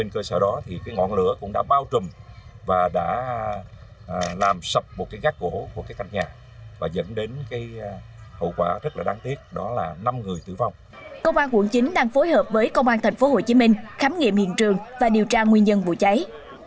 công an quận chín đang phối hợp với công an tp hcm khám nghiệm hiện trường và điều tra nguyên nhân vụ cháy